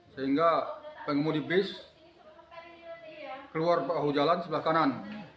sehingga pengumum di bis keluar jalan sebelah kanan